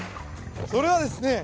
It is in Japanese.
それはですね